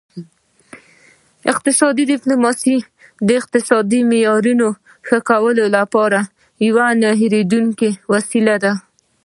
اقتصادي ډیپلوماسي د اقتصادي معیارونو ښه کولو لپاره یوه نه هیریدونکې وسیله ده